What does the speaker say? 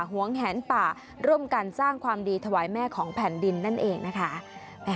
หวงแหนป่าร่วมกันสร้างความดีถวายแม่ของแผ่นดินนั่นเองนะคะ